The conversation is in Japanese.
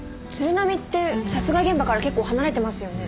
波って殺害現場から結構離れてますよね？